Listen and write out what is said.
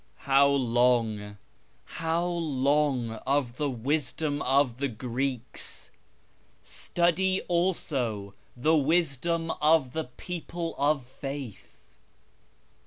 How long, how long of the wisdom of the Greeks ? Study also the wisdom of the people of faith